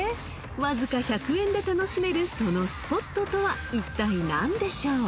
［わずか１００円で楽しめるそのスポットとはいったい何でしょう？］